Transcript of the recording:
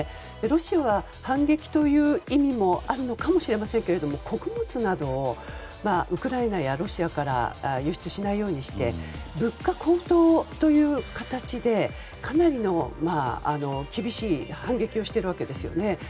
ロシアは反撃という意味もあるのかもしれませんが穀物などをウクライナやロシアから輸出しないようにして物価高騰という形でかなりの厳しい反撃をしているわけですね。